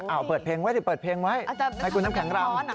อ้าวเปิดเพลงไว้ดิเปิดเพลงไว้อาจจะให้คุณน้ำแข็งร้อนอ่ะ